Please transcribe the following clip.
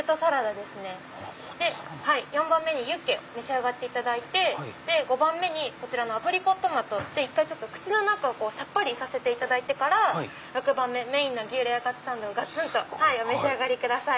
で４番目にユッケを召し上がっていただいて５番目にアプリコットまとで口の中をさっぱりさせていただいてから６番目メインの牛レアかつサンドガツンとお召し上がりください。